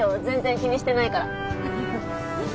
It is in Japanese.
全然気にしてないから。